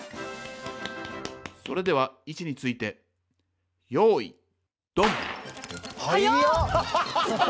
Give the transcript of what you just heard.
それでは位置についてはやっ！